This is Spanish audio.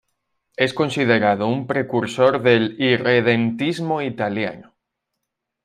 Es considerado un precursor del irredentismo italiano.